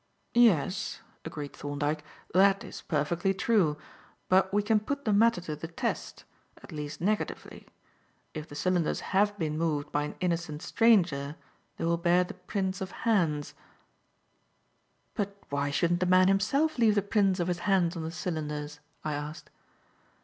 "Yes," agreed Thorndyke, "that is perfectly true. But we can put the matter to the test, at least negatively. If the cylinders have been moved by an innocent stranger they will bear the prints of hands." "But why shouldn't the man himself leave the prints of his hands on the cylinders?" I asked.